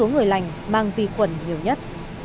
một số người lành mang vi khuẩn nhiều nhất